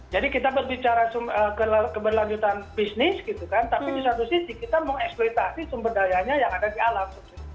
jadi kita berbicara keberlanjutan bisnis tapi di satu sisi kita mau eksploitasi sumber dayanya yang ada di alam